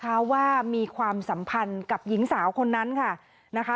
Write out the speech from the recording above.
เพราะว่ามีความสัมพันธ์กับหญิงสาวคนนั้นค่ะนะคะ